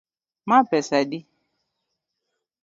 Ma pesa adi?